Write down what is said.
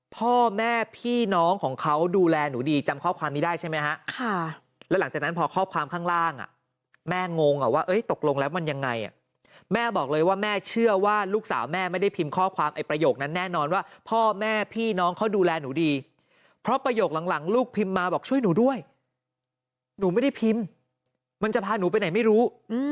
พ่อแม่พี่น้องของเขาดูแลหนูดีจำข้อความนี้ได้ใช่ไหมฮะแล้วหลังจากนั้นพอข้อความข้างล่างแม่งงว่าตกลงแล้วมันยังไงแม่บอกเลยว่าแม่เชื่อว่าลูกสาวแม่ไม่ได้พิมพ์ข้อความไอ้ประโยคนั้นแน่นอนว่าพ่อแม่พี่น้องเขาดูแลหนูดีเพราะประโยคหลังลูกพิมพ์มาบอกช่วยหนูด้วยหนูไม่ได้พิมพ์มันจะพาหนูไปไหนไม่รู้